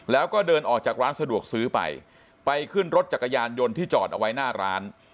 แล้วก็เดินออกจากร้านสะดวกซื้อไปไปขึ้นรถจักรยานยนต์ที่จอดเอาไว้หน้าร้าน